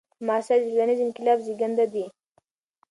حماسي اشعار د ټولنیز انقلاب زیږنده دي.